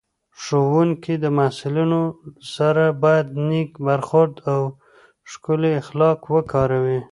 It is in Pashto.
ښوونکی د محصلینو سره باید نېک برخورد او ښکلي اخلاق وکاروي